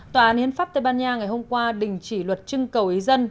tòa án hiến pháp tây ban nha ngày hôm qua đình chỉ luật trưng cầu ý dân